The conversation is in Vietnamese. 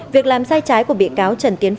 việc làm sai trái của bị cáo trần tiến phụ